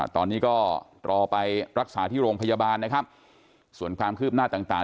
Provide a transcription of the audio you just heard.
ตอนนี้ก็รอไปรักษาที่โรงพยาบาลนะครับส่วนความคืบหน้าต่าง